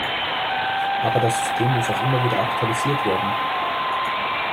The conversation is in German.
Aber das System muss auch immer wieder aktualisiert werden.